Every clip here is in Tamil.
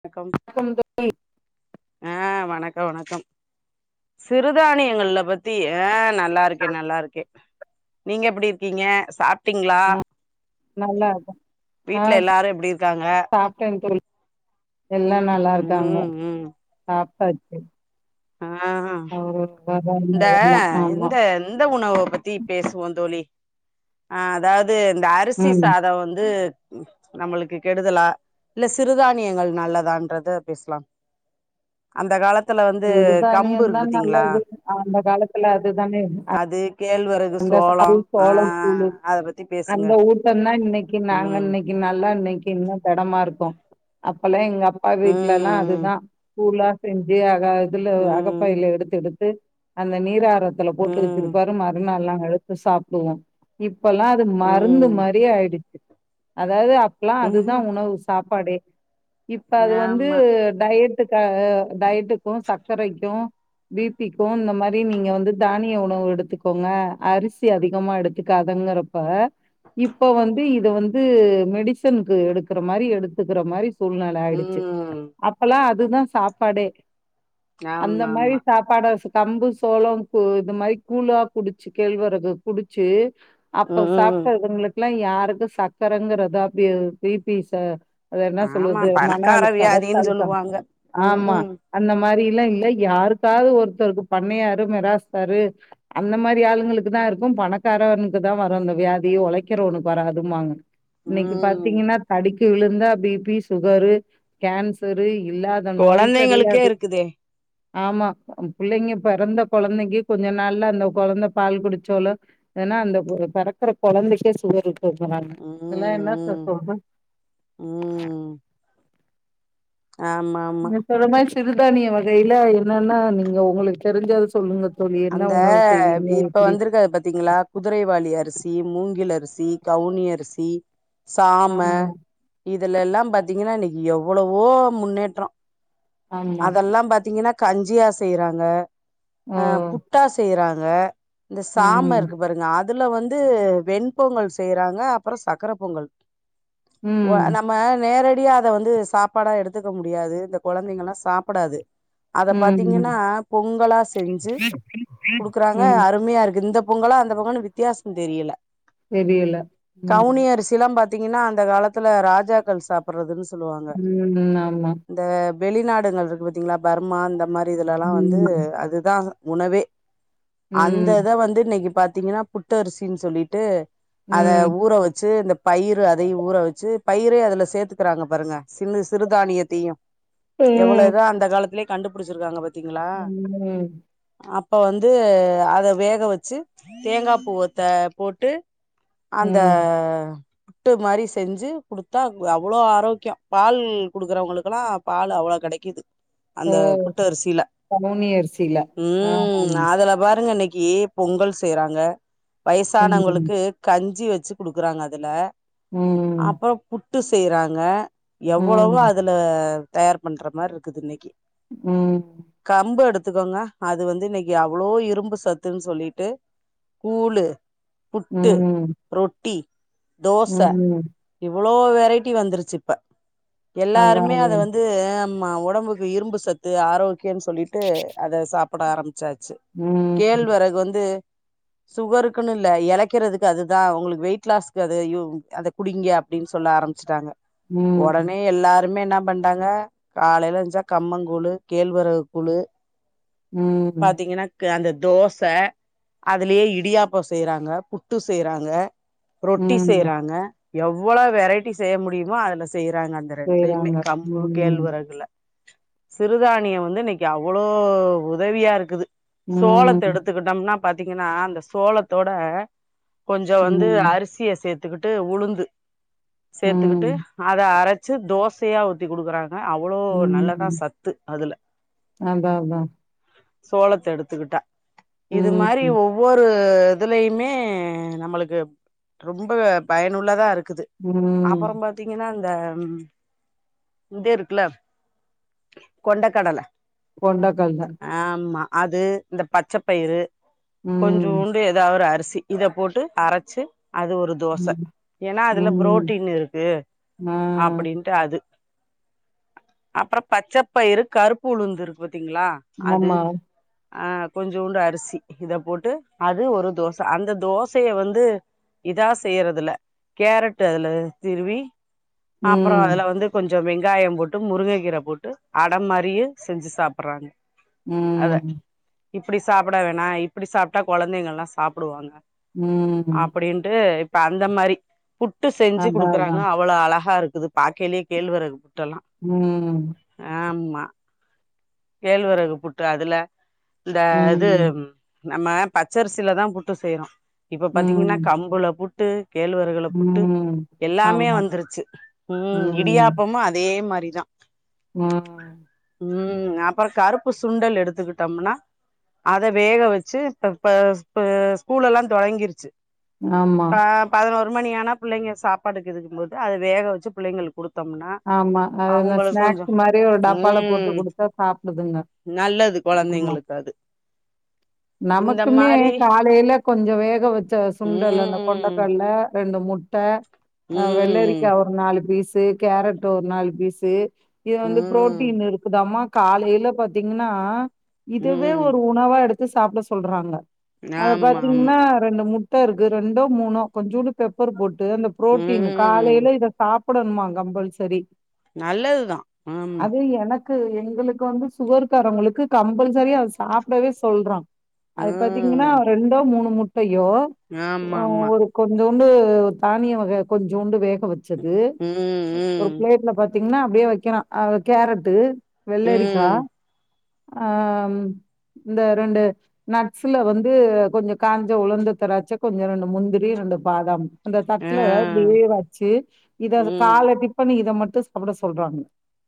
வணக்கம், ஆ வணக்க வணக்கம் சிறுதானியங்கள்ல பத்தி ஆ ந ல்லாருக்கே நல்லாருக்கே, நீங்க எப்டி இருக்கீங்க? சாப்ட்டீங்களா நல்லாருக்கே, ஆ, வீட்ல சா எல்லாரு எப்டி இருக்காங்க சாப்ட்டே தோழி எல்லா நல்லாருக்காங்க ம் ம் சாப்ட்டாச்சு ஆ அவரு இந்த ஆமா இந்த இந்த உணவ பத்தி பேசுவோ தோழி, ஆ அதாவது இந்த அரிசி ம் சாத வந்து ம், நம்மளுக்கு கெடுதலா இல்ல சிறுதானியங்கள் நல்லதான்றத பேசலா அந்த காலத்துல வந்து கம்பு இருக்கு பத்தீங்களா அ அந்த காலத்துல அதுதானே, அ அது கேள்வர அந்த சாறு, சோளம் கூழு பத்தி பேசுங்க அந்த ஊட்டந்தா இன்னைக்கு நாங்க ம் இன்னைக் கி நல்லா இன்னைக்கி இன்னு தெடமா இருக் கோப, அப்பல்லா எங்க அப்பா ம் வீட்டுலல்லா ம் அதுதா கூழா செஞ்சு அக இதுல ம் அகப்பையில எடுத்து எடுத்து அந்த நீரார த்துல போட்டு ம் வச்சிருப்பாரு மறுநாள் நாங்க எடுத்து சாப்டுவோ இப்பெல்லா மருந்து ம் மாரியே ஆயிடுச்சு அதாவது அப்பல்லா அதுதா ம் உணவு சாப்பாடு இப்ப அது வந்து ஆமா டயட் டுக்காக டயட்டுக்கு சர்க்கரைக்கு பீ பிக்கு இந்த மாரி நீங்க வந்து தானிய உணவு எடுத்துக் கோங்க அரிசி அதிகமா எடுத்துக்காதங்கறப்ப இப்ப வந்து இது வந் து மெடிசன்க்கு எடுக்கற மாரி எடுத்துக்கற மாரி சூழ்நெல ஆயிடுச்சு ம் அப்பல்லா அதுதா சாப்பாடே அந்த ஆமா மாரி ஆமா சாப் பாட ஸ் கம்பு சோளம் பு இது மாரி கூழா குடிச்சு கேழ்வறகு குடிச்சு அப்ப ம் சாப்ட்டவுங்களுக்குல்லா யாருக்கு சக்கரங்கறது அதி பீபி ச அது என்ன ஆமா சொல்லுது மன பணக்கார அழுத்தம் ரத்த வியாதின்னு அழுத்தம் சொல்லுவாங்க ம் ஆமா ம் அந்த மாரி எல்லா இல்ல யாருக்காவது ஒருத்தருக்கு பண்ணையாரு மிராஸ்தாரு அந்த மாரி ஆளுங்களுக்கு தா இருக்கு பணக்காரனுக்கு தா வரு அந்த வியாதி ஒழைக்கிறவுனுக்கு வராதும்பாங்க இன்னைக்கு ம் பாத்தீங்கன்னா தடிக்கு விழுந்தா பீபிசி சுகரு கேன்சரு இல்லாத நோய் கொழந்தைங்களுக்கே கடையாது இருக்குதே ஆமா பிள்ளைங்க பெறந்த கொழந்தைக்கு கொஞ்ச நாள்ள அந்த கொழந்த பால் குடிச்சாலோ ஏனா அந்த ப பொறக்குற கொழந்தைக்கே சுகர் இருக் குன்றாங்க ம் இதலா என்னாத்த ம் சொல்து ம் ஆமா ஆமா இல்லனா சிறுதானிய வகையில என்னன்னா நீங்க உங்களுக்கு தெரிஞ்சத சொல்லுங்க தோழி. என்ன அந்த உணவு செய்வீங்க? இப்ப எப்டி? வந்திருக்கரு பாத்தீங்ளா குதிரைவாளி அரிசி மூங்கில் அரிசி கவுனி அரிசி சாம ஆமா, இதுல எல்லாம் பாத்தீங்கன்னா இன்னைக்கு எவ்வளவோ முன்னேற்றோ ஆமா. அதெல்லா பாத்தீங்கன்னா கஞ்சியா செய்யறாங்க ஓ! ஆ புட்டா செய்யறாங்க இந்த சாம ம், இருக்கு பாருங்க அது அதுல வந்து வெண்பொங்கல் செய்றாங்க அப்பறோ சக்கர பொங்கல் வ ம், நம் ம நேரடியா அத வந்து சாப்பாடா எடுத்துக்க முடியாது இந்த கொழந்தைங்கல்லா சாப்படாது அத பாத்தீங்கன்னா ம், பொங்கலா செஞ்சு குடுக்குறாங்க ம். அருமையா இருக்கு இந்த பொங்கலா அந்த பொங்கன் வித்தியாசம் தெரியல தெரியல. கவுனி ம், அரிசிலாம் பாத்தீங்கன்னா அந்த காலத்துல ராஜாக்கள் சாப்படுறதுன்னு சொல்லுவாங்க ம் ம்‌ ஆமா இந்த வெளிநாடுகள் இருக்கு பாத்திங்களா பர்மா அந்த மாரி இதுலலா வந்து ம், அது தா உணவே அந்த ம், இத வந்து இன்னைக்கு பாத்தீங்கன்னா புட்டரிசின்னு சொல்லிட்டு அத ம், ஊற வச்சு இந்தப் பயிறு அதையு ஊற வச்சு பயிரயு அதுல சேத்துக்கறாங்க பாருங்க சில்லு சிறுதானியத்தியு எவ்ளோ ம், இத அந்த காலத்திலயே கண்டுபுடிச்சிருக்காங்க பாத் ம் அப்ப வந்து அத வேக வச்சு தேங்கா பூ வத்த போட்டு அந்த ம். புட்டு மாரி செஞ்சு குடுத்தா அவ்ளோ ஆரோக்கியோ பால் குடுக்குறவுங்களுக்குலா பால் அவ்ளோ கடைக்கு ஓ கவுனி அரிசி ம் அதுல பாருங்க இன்னிக்கி பொங்கல் செய்றாங்க ம் வயசானவுங்களுக்கு கஞ்சி வச்சு குடுக்குறாங்க அதுல ம் அப்பறோ புட்டு செய்றாங்க எவ்வளவோ ம் அதுல தயார் பண்ற மார்ருக்குது இன்னைக்கி ம் கம்பு எடுத்துக்கோங்க அது வந்து இன்னைக்கு அவ்ளோ இரும்பு சத்துன்‌ சொல்லிட்டு கூளு புட்டு ம் ரொட்டி தோச ம் இவ்வளோ வெரைட்டி வந்துருச்சு இப்ப அதா எல்லாருமே அது அத வந்து ம்மா ஒடம்புக்கு இரும்பு சத்து ஆரோக்கியன் சொல்லிட்டு அத சாப்பட ஆரம்ச்சாச்சு ம் கேள்வரகு வந்து சுகருக்குன்னு இல்ல எலைக்கறதுக்கு அதுதா உங்களுக்கு வெயிட் லாஸ்க்கு அதுயு அத குடிங்க அப்டின் சொல்ல ஆரம்ச்ட்டாங்க ம் உடனே எல்லாருமே என்ன பண் டாங்க காலையில ஏன்ச்சா கம்மங்கூழு கேழ்வரகு கூழு ம் பாத்தீங்கன்னா கு அந்த தோச அதுலயே இடியாப்ப செய்யறாங்க புட்டு செய்யறாங்க ரொட்டி ம் செய்யறாங்க எவ்வளோ வெரைட்டி செய்ய முடியுமோ அதுல செய்யறாங்க இந்த ரெண்ட்லயுமே செய்றாங்க கம்பு ம் கேள்வறகுல சிறுதானிய வந்து இன்னைக்கு அவ்வளோ உதவியா இருக்குது சோளத்த ம் எடுத்துக்கிட்டோம்னா பாத்தீங்கன்னா அந்த சோளத்தோட கொஞ்சோ வந்து ம் அரிசிய சேத்துக்கிட்டு உளுந்து சேத்துக்கிட்டு ம் அத அரச்சு தோசையா ஊத்தி குடுக்குறாங்க அவ்வளோ நல்லதா ம் சத்து அதுல அதா அதா சோளத்த எடுத்துக்கிட்டா இது மாரி ம் ஒவ் வொரு இதுலயுமே நம்மளுக்கு ரொம்ப பயனுள்ளதா இருக்குது ம் அப்பறம் பா த்தீங்கன்னா இந்த இது இருக்குல்ல கொண்ட கடல கொண்டக்கல்ல ஆமா அது இந்த பச்ச பயிறு ம் கொஞ்ஜூண்டு எதாவ ஒரு அரிசி இத போட்டு அரச்சு அது ஒரு தோச ம் ஏன்னா அதுல ம் புரோட்டீன் இருக்கு ஆ அப்படின்ட்டு அது அப்பற பச்சப்பயிரு கருப்பு உளுந்து இருக்கு பாத்தீங்களா அது ஆமா அ கொஞ்ஜூண்டு அரிசி இத போட்டு அது ஒரு தோச அந்த தோசைய வந்து இதா செய்யறதுல கேரட் அதுல திருவி அப்பற ம் அதுல வந்து கொஞ்ச வெங்காயம் போட்டு முருங்க கீரையபோட்டு அட மாரியே செஞ்சு சாப்பற்றாங் அத ம் இப்டி சாப்பட வேணா இப்டி சாப்ட்டா கொழந்தைங்கல்லா சாப்புடுவாங்க ம் அப்படின்ட்டு இப்ப அந்த மாரி புட்டு செஞ்சு அதா அதா குடுக்கறாங்க அவ்ளா அழகா இருக்குது பாக்கையிலயே கேள்வறது புட்டெல்லா ம் ஆமா கேழ்வறகு புட்டு அதுல இந்த இது ம் நம்ம பச்சரிசில தா புட்டு செய்யறோ இப்ப பாத்தீங்கன்னா ம், கம்புல புட் ட்டு கேழ்வரகுல புட்டு ம். எல்லாமே ஆமா. வந்துருச்சு ம் இடியாப்பமு அதே மாரி தா ம் ம் அப்பற கருப்பு சுண்டல் எடுத்துக்கிட்டம்னா அத வேக வச்சு இப்பப்ப இப்ப ஸ்கூல எல்லா தொடங்கிருச்சு ஆமா, ப்ப பதினொரு மணியானா புள்ளைங்க சாப்பாடுக்கு இதுக்கும்போது அது வேக வச்சு புள்ளைங்களுக் குடுத்தோம்னா ஆமா. அது இந்த அவங்களுக் கொஞ்சோ ம் சாப்புடுதுங்க நல்லது கொழந்தைங்களுக்கு அது இந்த நமக்குமே மாரி காலேல கொஞ்சோ வேக வச்ச சுண்டல் அந்த ம் கொண்டக்கல் ல ரெண்டு முட்ட அ ம் வெள்ளரிக்கா ஒரு நாலு பீஸு கேரட் ஒரு நாலு பீஸு இது வந்து ம் ம் புரோட்டீன் இருக் குதாமா காலேல பாத்தீங்கன்னா இதுவே ம் ஒரு உ உணவா எடுத்து சாப்ட சொல்றாங்க அத ஆமா ஆமா பாத்தீங்கன்னா ரெண்டு முட்ட இருக்கு ரெண்டோ மூணோ கொஞ்சூண்டு பெப்பர் போட்டு அந்த ப்ரோட்டீனு ம் காலேல இத சாப் ப்டணுமா கம்பல்சரி நல்லதுதா ஆமா அது எனக் கு எங்களுக்கு வந்து சுகர்காரவங்ளுக்கு கம்பல்சரியா அது சாப்டவே சொல்றா அது பாத்தீங்கன்னா ம் ரெண்டோ மூணு முட்டையோ ஆமா அ ஆமா ஒரு கொஞ்ஜோண்டு தானிய வக கொஞ்ஜூண்டு வேக வச்சது ம் ம் ஒரு ப்ளேட்ல பாத்தீங்கன்னா அப்டியே வக்கிறா அது கேரட்டு ம் வெள்ளரிக்கா ம் ஆ ம் இந்த ரெண்டு நட்ஸ்ல வந்து கொஞ்சோ காஞ்ச உளர்ந்த திராச்ச கொஞ்சோ ரெண்டு முந்திரி ரெண்டு பாதாம் அந்த ஆ தட்டுல இப்டியே வச்சு இத ம் கால டிப்பன்னு இத மட்டு சாப்ட சொல்றாங்க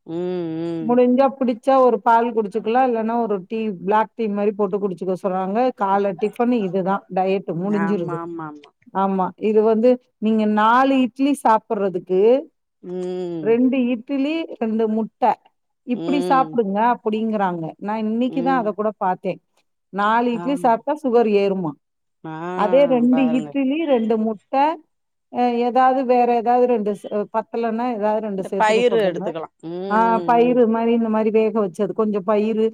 ம் ம் முடுஞ்சா புடுச்சா ஒரு பால் குடிச்சுக்கலா இல்லன்னா ஒரு டீ பிளாக் டீ மாரி போட்டு குடுச்சுக்க சொ புற்றாங்க கால டிஃபன் இதுதா டயட்டு ஆமா முடுஞ்சுருது ஆமா ஆமா ஆமா இது வந்து நீங்க நாலு இட்லி சாப்புற்றதுக்கு ம் ரெண்டு இட்டிலி ரெண்டு முட்ட இப்டி ம் சாப்டுங்க அப்டிங்குறாங்க நா இன்னைக்குதா ம் அத கூட பாத்தே நாலு இட்லி ஆமா சாப்ட்டா சுகர் ஏறுமா ஆ அதே ரெண்டு பாருங்க இட்டுலி ரெண்டு முட்ட அ ஏதாவது வேற ஏதாவது ரெண்டு ஸ் பத்தலனா ஏதாவது ரெண்டு இந்த சேத்துக்க பயிறு சொல்றாங்க எடுத்துக்கலா ஆ ம் ம் ம் பயிறு மாரி இந்த மாரி வேக வச்சது கொஞ்சோ பயிறு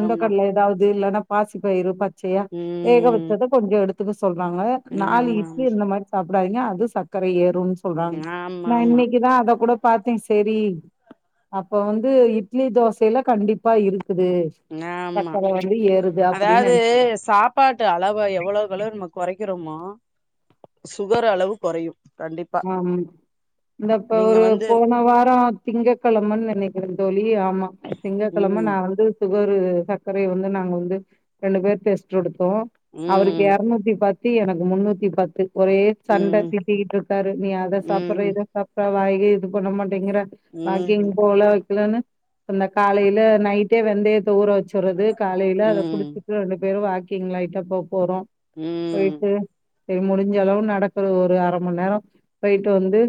ஆமா ஏதாவது இல்லன்னா பாசி பயிரு பச்சயா வேக வ ம் ச்சத கொஞ்சோ எடுத்துக்க சொல்றாங்க நாலு ஆமா இட்லிய ஆமா இந்த மாரி சாப்டாதீங்க அது சக்கர ஏறுன் ஆமா ஆமா கிதா அத கூட பாத்தே சேரி அப்ப வந்து இட்லி தோசைல்ல கண்டிப்பா இருக்குது ஆமா சக்கர வந்து ஏறுது அப்டின்னு அதாவது நெனச்சே சாப் பாட்டு அளவ எவ்வளக்களவு நம்ம கொறைக்கிறமோ சுகர் அளவு குறையு கண்டிப் ஆ ம் இந்த இப்ப ஒரு வந்து போன வாரோ திங்க கெழமன் நெனைக்கிறே தோழி ஆமா திங்க கெழம ம் நா வந்து சுகரு சக்கரய வந்து நாங்க வந்து ரெண்டு பேர் டெஸ்ட் எடுத்தோ அவருக்கு ம் எரநூத்தி பத் து எனக்கு முன்னூத்தி பத்து ஒரே சண்ட ம் திட்டிக்கிட்ருக்காரு நீ அத சாப்புற்ற ம் இத சாப்ட்ட வாய்கே இது பண்ண மாட்டேங்குற வாக்கிங் ம் போல வக்கலன்னு அந்த காலேல நைட்டே வெந்தயத்தை ஊற வச்சற்றது காலேல அத ம் குடுத்து து ரெண்டு பேரு வாக்கிங் லைட்டா போபோறோ ம் போயிட்டு சரி முடுஞ்ச அளவு நடக்குறது ஒரு அர மண் நேரோ போயிட்டு வந்து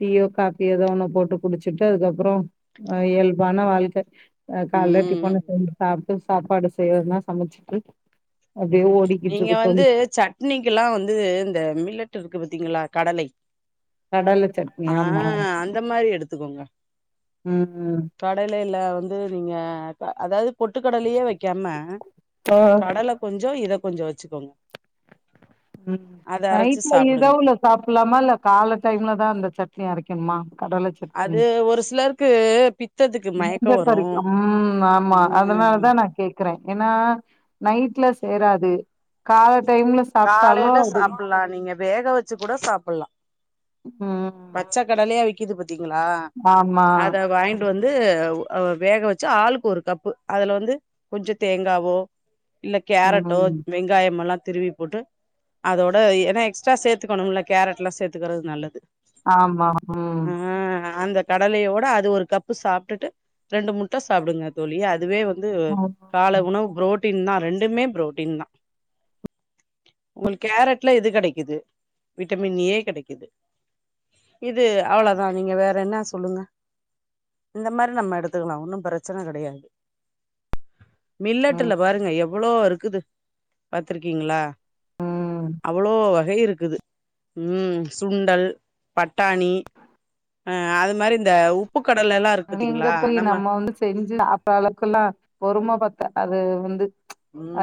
டீயோ காப்பியோ எதோ ஒண்ண போட்டு குடுச்சுட்டு அதுக்கப்பறோ அ இயல்பான வாழ்க்க அ காலேல ம் டிப்பன செஞ்சு சாப்ட்டு சாப்பாடு செய்றதுனா சமச்சுட்டு அப்டியே ஓடிக்கிட்ருக்கு தோழி இன்னைக்கலா வந்து இந்த மில்லட் இருக்கு பாத்தீங்களா கடலை கடல சட்னி ஆ ஆமா அந்த மாரி எடுத்துக்கோங்க ம்ஹும் கடலைல வந்து நீங்க அதாவது பொட்டு கடலையே வெக்காம ஓ கடல கொஞ்சோ இத கொஞ்ச வெச்சிக்கோங் ம் அரச்சு நைட்ல சாப்டுங்க இரவுல சாப்ட்லாமா இல்ல கால டைம்ல தா சட்னி அரைக்கணுமா கடலை அது ம்க்கும் ஒரு சிலருக்கு பித்தத்துக்கு மயக்க நெஞ்ச வரு கறிக்கு ம் ஆமா ம் அதனாலதா நா கேக் கிறே ஏன்னா நைட்ல சேராது கால டைம்ல சாப்ட்டாலு காலையில அது சாப்பல்லா நீங்க வேக வெச்சு கூட சாப்பல்லா ம் பச்ச கடலையா விக்கது பாத்தீங்ளா ஆமா அத வாய்ன் ட்டு வந்து வேக வெச்சு ஆளுக்கு ஒரு கப்பு அதுல வந்து கொஞ்ச தேங்காவோ இல்ல கேரட்டோ ம் வெங்காயம்மல்லா திருவி போட்டு அதோட ஏன்னா எக்ஸ்ட்ரா சேத்துக்கணும்ல கேரட்ல்லா சேத்துக்கறது நல்லது ஆமா ம் ஆ அந்த கடலையோட அது ஒரு கப்பு சாப்ட்டுட்டு ரெண்டு முட்ட சாப்புடுங்க தோழி அதுவே வ ந்து ம் கால உணவு புரோட்டீன் தா ரெண்டுமே புரோட்டீன் தா உங்களுக்கு கேரட்ல எது கெடைக்குது விட்டமின் ஏ கெடைக்குது இது அவ்ளோதா நீங்க வேற ன்னா சொல்லுங்க இந்த மாரி நம்ம எடுத்துக்கலா ஒன்னு பிரச்சன கெடையாது மில்லட்டுல ம் பாருங்க எவ்ளோ இருக்குது பாத்துருக்கீங்களா ம் அவ்வளோ வகை இருக்குது ம் சுண்டல் பட்டாணி ஆ அது மாரி இந்த உப் புக் கடலை எல்லா இருக் எங்க தோழி நம்ம வந்து செஞ்சு சாப் த அளவுகெல்லா பொருமை பத்தாது வந்து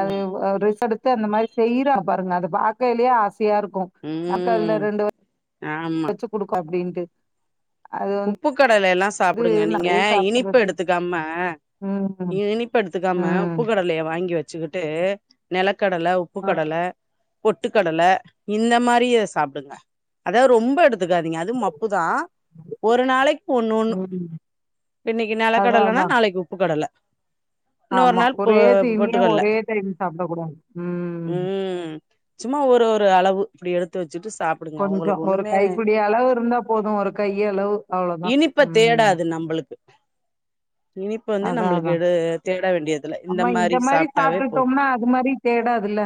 அது ரிசட் து அந்த மாரி செய்றாங்பாருங்க அத பாக்கையிலயே ஆசையா இருக்கு அக்கா அதுல ம் ரெண்டு ஆமா வச்சு குடுக்கு அப்டின்ட்டு அது உப்புக் கடலை எல்லா சாப்புடுங்க நீங்க நம்மளே இனிப்ப சாப்டுறது எடுத்துக்காம ம் இனிப்ப எடுத்துக்காம உப்பு ம் கடலைய வாங்கி வெச்சுக்கிட்டு நெலக்கடல உப்பு ஆ கடல பொட்டுக்கடல இந்த மாரியே சாப்டுங்க அதாவது ரொம்ப எடுத்துக்காதீங்க அது மப்பு தா ஒரு நாளைக் ஒன்னு ஒன்னு ம் இன்னைக்கி அதா அதா நெலக்கடலனா நாளைக்கு உப்புக்கடல இன்னொரு ஆமா. நாள் போ ஒரே தீனிய பொட்டுக்கல்ல ஒரே டைம் சாப்பிடக்கூடாது. ம். ம் ச்சும்மா ஒரு ஒரு அளவு இப்டி எடுத்து வெச்சிட்டு சாப் கொஞ்சோ ஒரு கைப்பிடி அளவு இருந்தா போது ஒரு கையளவு அவ்ளோதா ம் நம்பளுக்கு அதா அதா தேட வேண்டியதுல ஆம்மா இந்த மாரி சாப்ட்டாவே போது சாப்ட்டுட்டோம்னா அது மாரி தேடாதுல்ல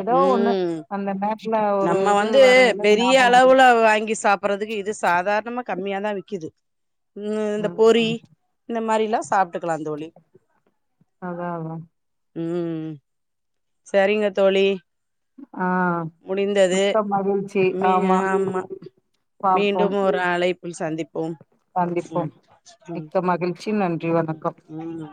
ஏதோ ஒண்ணு. ம் அந்த நேரத்துல ஒரு நம்ம இது வந்து வரையில பெரிய ஞாபகம் வருது. அளவுல வாங்கி சாப் புறதுக்கு இது சாதாரணமா கம்மியாதா விக்குது ம் இந்த பொறி ம். இந்த மாரில்லா சாப்ட்டுக்கலா தோழி அதா அதா ம் செரிங்க தோழி ஆ முடிந்தது மிக்க மகிழ்ச்சி. மீ ஆமா பார்ப்போம். மீண்டும் ஒரு அழைப்பில் சந்திப்போம் சந்திப்போம். ம் மிக்க மகிழ்ச்சி. நன்றி. வணக்கம். ம் ம்